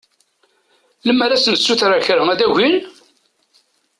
Lemmer ad sen-ssutreɣ kra ad agin?